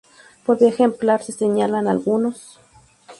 Por vía ejemplar, se señalan algunos.